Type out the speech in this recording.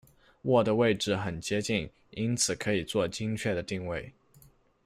握的位置很接近，因此可以作精准的定位。